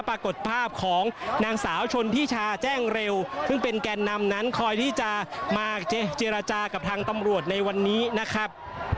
ปรากฏภาพของนางสาวชนทิชาแจ้งเร็วซึ่งเป็นแกนนำนั้นคอยที่จะมาเจรจากับทางตำรวจในวันนี้นะครับ